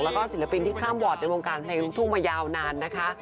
แล้วก็ศิลปินที่ข้ามบอร์ดในวงการแทนทุกมายาวนานนะคะ